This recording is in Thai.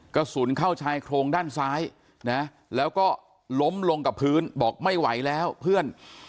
กระสุนเข้าชายโครงด้านซ้ายนะแล้วก็ล้มลงกับพื้นบอกไม่ไหวแล้วเพื่อน